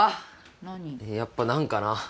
やっぱなんかな。